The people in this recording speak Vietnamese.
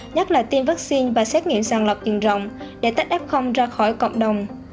nhắc là tiêm vaccine và xét nghiệm sàng lọc tiền rộng để tách ép không ra khỏi cộng đồng